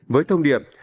với thông điệp